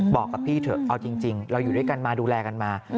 บอกกับพี่เถอะเอาจริงเราอยู่ด้วยกันมาดูแลกันมา